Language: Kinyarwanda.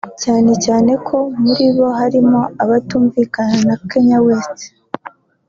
cyane cyane ko muri bo harimo abatumvikana na Kanye West